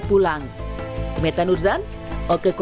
beribadah pun kian tenang sehat dan berharga